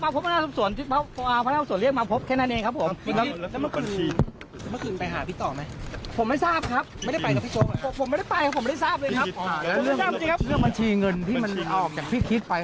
กันสุดในสำรวจทั้งหมดครับ